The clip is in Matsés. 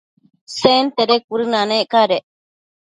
Sentede cuëdënanec cadec